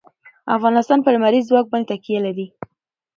افغانستان په لمریز ځواک باندې تکیه لري.